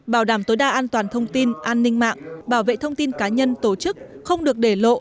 bảo đảm tối đa an toàn thông tin an ninh mạng bảo vệ thông tin cá nhân tổ chức không được để lộ